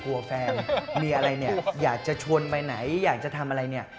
แฟนมีอะไรเนี่ยอยากจะชวนไปไหนอยากจะทำอะไรเนี่ย